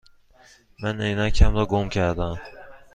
من عینکم را گم کرده ام.